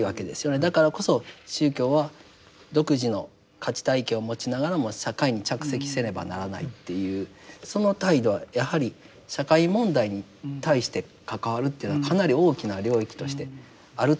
だからこそ宗教は独自の価値体系を持ちながらも社会に着席せねばならないっていうその態度はやはり社会問題に対して関わるというのはかなり大きな領域としてあると思いますね。